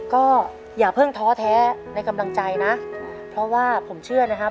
ก็อย่าเพิ่งท้อแท้ในกำลังใจนะเพราะว่าผมเชื่อนะครับ